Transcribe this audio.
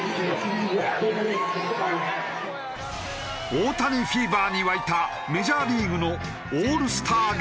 大谷フィーバーに沸いたメジャーリーグのオールスターゲーム。